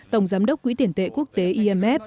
tổng giám đốc quỹ tiền tệ quốc tế imf